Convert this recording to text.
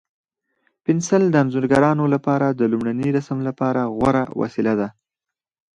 پنسل د انځورګرانو لپاره د لومړني رسم لپاره غوره وسیله ده.